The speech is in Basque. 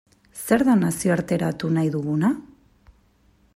Zer da nazioarteratu nahi duguna?